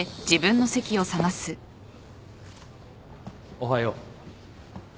・おはよう。